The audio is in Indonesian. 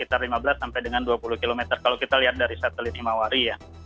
jadi awan ini berada di sekitar lima belas sampai dengan dua puluh km kalau kita lihat dari satelit himawari ya